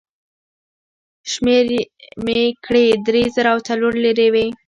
شمېر مې کړې، درې زره او څو لېرې وې.